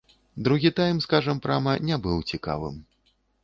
Другі тайм, скажам прама, не быў цікавым.